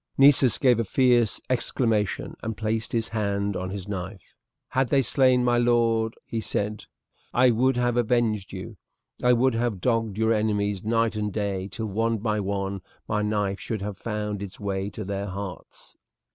Nessus gave a fierce exclamation and placed his hand on his knife. "Had they slain my lord," he said, "I would have avenged you. I would have dogged your enemies night and day till, one by one, my knife should have found its way to their hearts!"